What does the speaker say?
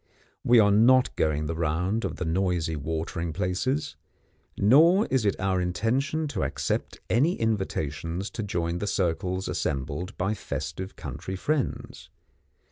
We are not going the round of the noisy watering places, nor is it our intention to accept any invitations to join the circles assembled by festive country friends.